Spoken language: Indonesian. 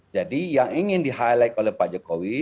jadi yang ingin di highlight oleh pak jokowi